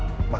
oh ini pak